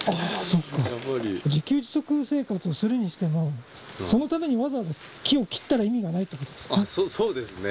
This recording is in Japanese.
自給自足生活をするにしても、そのためにわざわざ木を切ったら意味がないってことですね。